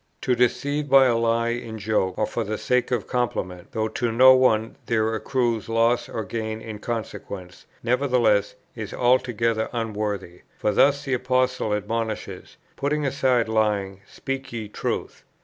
"To deceive by a lie in joke or for the sake of compliment, though to no one there accrues loss or gain in consequence, nevertheless is altogether unworthy: for thus the Apostle admonishes, 'Putting aside lying, speak ye truth.'